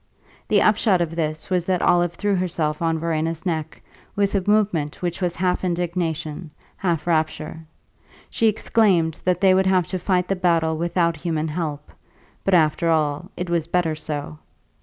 The upshot of this was that Olive threw herself on Verena's neck with a movement which was half indignation, half rapture; she exclaimed that they would have to fight the battle without human help, but, after all, it was better so.